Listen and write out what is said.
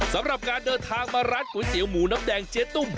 สำหรับการเดินทางมาร้านก๋วยเตี๋ยหมูน้ำแดงเจ๊ตุ้ม